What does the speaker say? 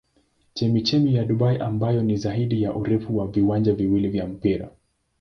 Chemchemi ya Dubai ambayo ni zaidi ya urefu wa viwanja viwili vya mpira.